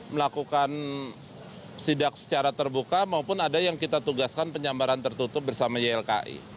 melakukan sidak secara terbuka maupun ada yang kita tugaskan penyambaran tertutup bersama ylki